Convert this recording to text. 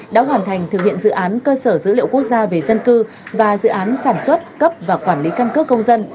đã hoàn thành thực hiện dự án cơ sở dữ liệu quốc gia về dân cư và dự án sản xuất cấp và quản lý căn cước công dân